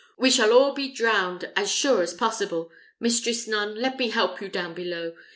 we shall all be drowned as sure as possible! Mistress nun, let me help you down below.